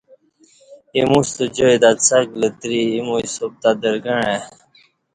ایموستہ جائی تہ څنݣ لتری ایمو حساب تہ درگݩع ای